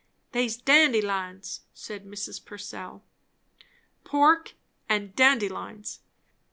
"They's dandelions " said Mrs. Purcell. Pork and dandelions!